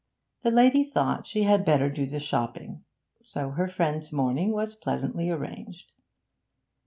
The lady thought she had better do the shopping so her friend's morning was pleasantly arranged.